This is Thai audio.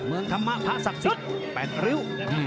เมืองธรรมะพระศักดิ์สุดแปดริ้ว